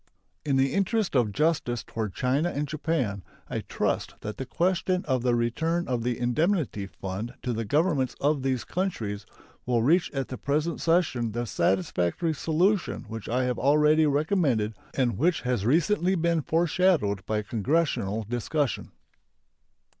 In the interest of justice toward China and Japan, I trust that the question of the return of the indemnity fund to the Governments of those countries will reach at the present session the satisfactory solution which I have already recommended, and which has recently been foreshadowed by Congressional discussion.